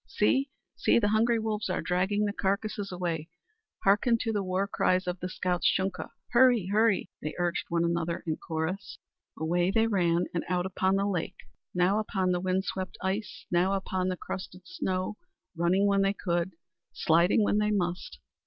"See, see! the hungry wolves are dragging the carcasses away! Harken to the war cries of the scout's Shunka! Hurry, hurry!" they urged one another in chorus. Away they ran and out upon the lake; now upon the wind swept ice, now upon the crusted snow; running when they could, sliding when they must.